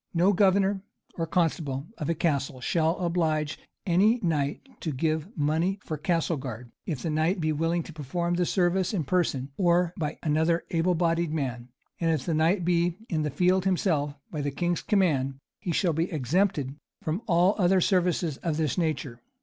No governor or constable of a castle shall oblige any knight to give money for castle guard, if the knight be willing to perform the service in person, or by another able bodied man; and if the knight be in the field himself, by the king's command, he shall be exempted from all other service of this nature.